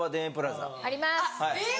あります